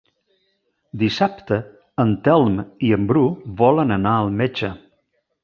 Dissabte en Telm i en Bru volen anar al metge.